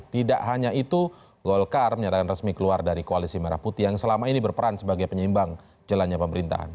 tidak hanya itu golkar menyatakan resmi keluar dari koalisi merah putih yang selama ini berperan sebagai penyeimbang jalannya pemerintahan